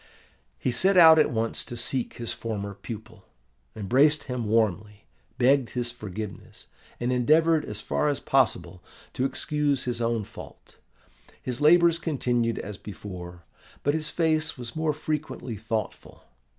"He set out at once to seek his former pupil, embraced him warmly, begged his forgiveness, and endeavoured as far as possible to excuse his own fault. His labours continued as before; but his face was more frequently thoughtful.